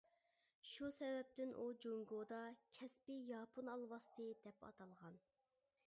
شۇ سەۋەبتىن ئۇ جۇڭگودا «كەسپىي ياپون ئالۋاستى» دەپ ئاتالغان.